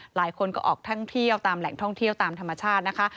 หลายคนก็ออกท่องเที่ยวตามแหล่งท่องเที่ยวตามธรรมชาตินะคะ